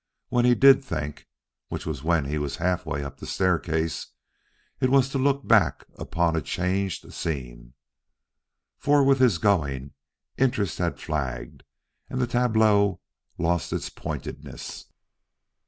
When he did think, which was when he was halfway up the staircase, it was to look back upon a changed scene. For with his going, interest had flagged and the tableau lost its pointedness.